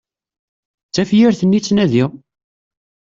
D tafyirt-nni i ttnadiɣ!